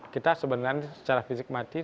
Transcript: kita sebenarnya secara fisik mati